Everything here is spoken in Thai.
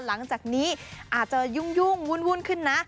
หลังจากนี้อาจจะยุ่งวุ่นขึ้นนะ